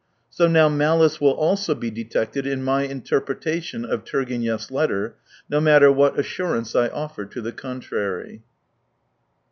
So now malice will also be detected in my interpretation of Turgenev's letter, no matter what assurance I offer to the contrary.